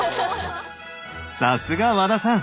さすが和田さん！